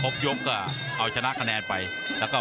พี่น้องอ่ะพี่น้องอ่ะ